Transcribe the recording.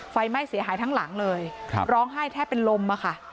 ไฟไหม้เสียหายทั้งหลังเลยร้องไห้แทบเป็นลมอะค่ะ